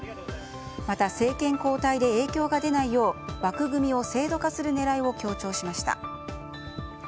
また政権交代で影響が出ないよう枠組みを制度化する狙いを強調しました。